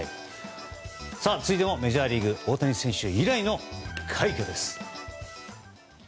続いてもメジャーリーグ大谷選手以来の意快挙です。